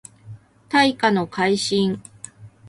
大化の改新